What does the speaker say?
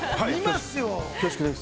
◆恐縮です。